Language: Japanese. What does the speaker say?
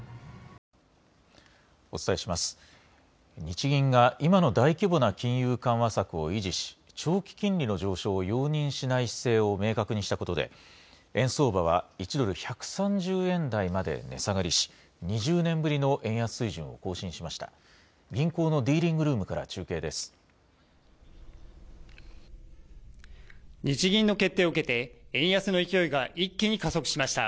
日銀が今の大規模な金融緩和策を維持し、長期金利の上昇を容認しない姿勢を明確にしたことで、円相場は１ドル１３０円台まで値下がりし、２０年ぶりの円安水準を更新しました。